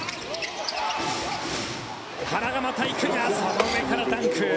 原がまた行くがその上からダンク。